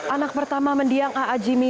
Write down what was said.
anak pertama mendiang a a jimmy